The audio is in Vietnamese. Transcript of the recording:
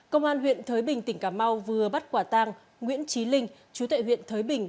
công an huyện thới bình tỉnh cà mau vừa bắt quả tang nguyễn trí linh chú tệ huyện thới bình